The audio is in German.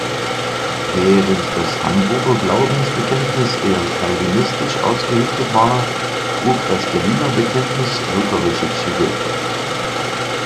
Während das Hamburger Glaubensbekenntnis eher calvinistisch ausgerichtet war, trug das Berliner Bekenntnis lutherische Züge".